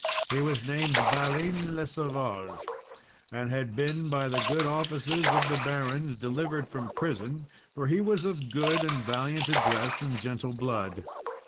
He was named Balin le Savage, and had been by the good offices of the barons delivered from prison, for he was of good and valiant address and gentle blood.